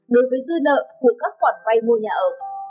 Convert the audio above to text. đối với dư nợ của các quản quay mua nhà ở